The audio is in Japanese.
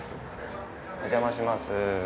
お邪魔します。